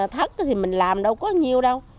thất thì mình làm đâu có nhiêu đâu